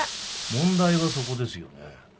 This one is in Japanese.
問題はそこですよね。